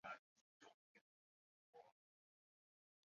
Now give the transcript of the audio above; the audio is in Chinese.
温妮台风挟带强风豪雨过境台湾北部及东北部地区。